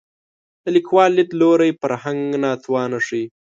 د لیکوال له لید لوري فرهنګ ناتواني ښيي